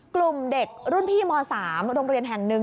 กลุ่มเด็กรุ่นพี่ม๓โรงเรียนแห่งหนึ่ง